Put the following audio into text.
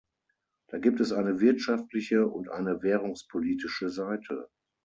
Da gibt es eine wirtschaftliche und eine währungspolitische Seite.